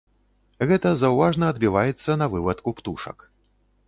Гэта заўважна адбіваецца на вывадку птушак.